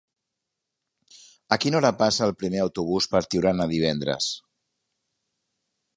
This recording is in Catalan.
A quina hora passa el primer autobús per Tiurana divendres?